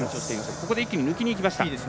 ここで一気に抜きにいきました。